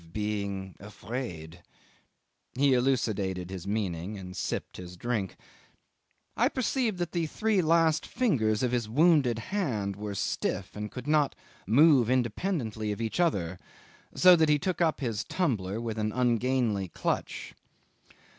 "Of being afraid." He elucidated his meaning and sipped his drink. 'I perceived that the three last fingers of his wounded hand were stiff and could not move independently of each other, so that he took up his tumbler with an ungainly clutch.